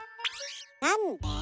なんで？